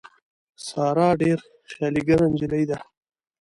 ساره ډېره خیالي ګره نجیلۍ ده.